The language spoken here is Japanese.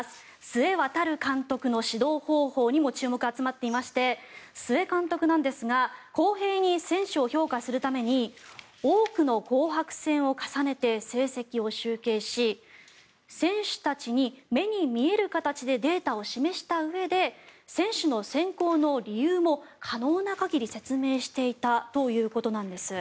須江航監督の指導方法にも注目が集まっていまして須江監督なんですが公平に選手を評価するために多くの紅白戦を重ねて成績を集計し選手たちに目に見える形でデータを示したうえで選手の選考の理由も可能な限り説明していたということなんです。